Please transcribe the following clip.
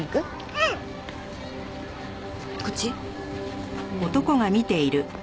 うん！こっち？